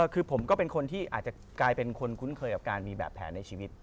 คือผมก็เป็นคนที่อาจจะกลายเป็นคนคุ้นเคยกับการมีแบบแผนในชีวิต